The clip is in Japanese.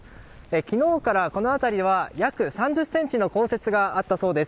昨日からこの辺りは約３０ｃｍの降雪があったそうです。